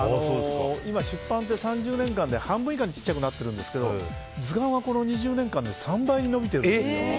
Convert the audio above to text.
今、出版って３０年間で半分以下にちっちゃくなってるんですけど図鑑はこの２０年間で３倍に伸びてるんです。